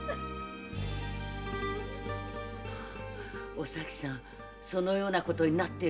お咲さんそのようなことになっているのですか。